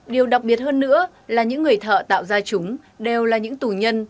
điều đặc biệt hơn nữa là những người thợ tạo ra chúng đều là những tù nhân